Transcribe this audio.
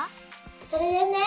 それでね